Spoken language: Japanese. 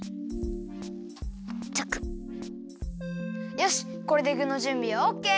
よしこれでぐのじゅんびはオッケー！